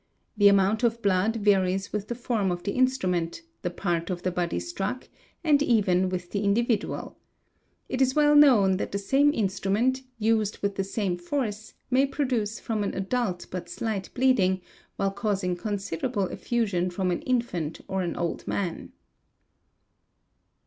The amount of blood varies with the form of the instrument, the part of e body struck, and even with the individual. It is well known that the same instrument, used with the same force, may produce from an adult but slight bleeding, while causing considerable effusion from an infant or an old man.